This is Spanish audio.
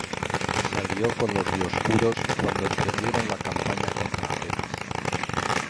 Se alió con los Dioscuros cuando emprendieron la campaña contra Atenas.